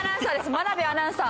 真鍋アナウンサー！